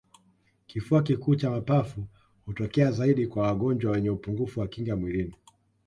kifua kikuu cha mapafu hutokea zaidi kwa wagonjwa wenye upungufu wa kinga mwilini